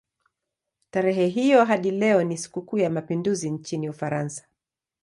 Tarehe hiyo hadi leo ni sikukuu ya mapinduzi nchini Ufaransa.